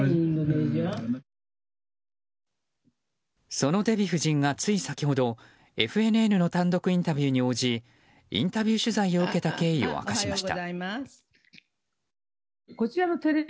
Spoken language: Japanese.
そのデヴィ夫人がつい先ほどＦＮＮの単独インタビューに応じインタビュー取材を受けた経緯を明かしました。